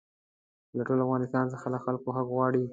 له ټول افغانستان څخه له خلکو حق غواړي.